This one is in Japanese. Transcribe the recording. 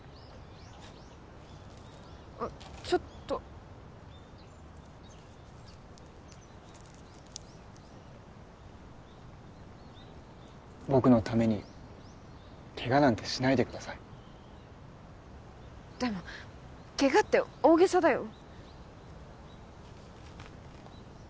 あっちょっと僕のためにケガなんてしないでくださいでもケガって大げさだよ